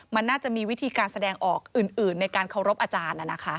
มันน่าจะมีวิธีการแสดงออกอื่นในการเคารพอาจารย์